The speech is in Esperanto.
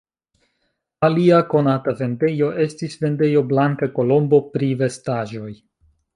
Alia konata vendejo estis vendejo Blanka Kolombo pri vestaĵoj.